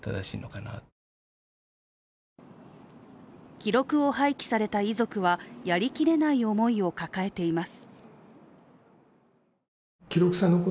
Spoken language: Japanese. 記録を廃棄された遺族は、やりきれない思いを抱えています。